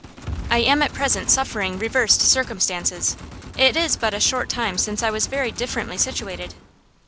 "I am at present suffering reversed circumstances. It is but a short time since I was very differently situated."